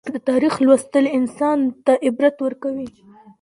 د تاریخ لوستل انسان ته عبرت ورکوي.